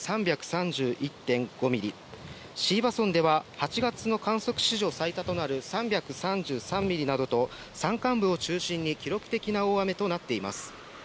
２４時間雨量は美郷町神門で３５３ミリ、えびの高原で３３１．５ミリ、椎葉村では８月の観測史上最多となる３３３ミリなどと、山間部を中心に記録的な大雨となっています。